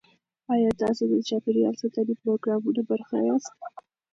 ایا تاسو د چاپیریال ساتنې پروګرامونو برخه یاست؟